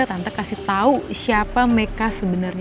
tante kasih tahu siapa mereka sebenarnya